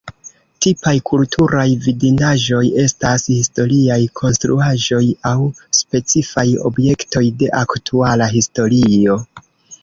Tipaj kulturaj vidindaĵoj estas historiaj konstruaĵoj aŭ specifaj objektoj de aktuala historio.